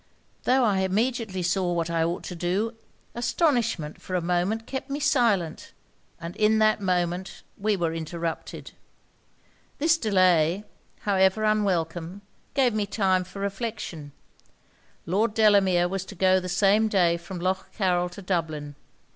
'Tho' I immediately saw what I ought to do, astonishment for a moment kept me silent, and in that moment we were interrupted. 'This delay, however unwelcome, gave me time for reflection. Lord Delamere was to go the same day from Lough Carryl to Dublin.